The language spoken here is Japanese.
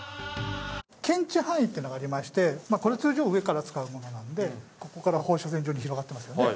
検知範囲っていうのがありましてこれ通常上から使うものなのでここから放射線状に広がってますよね。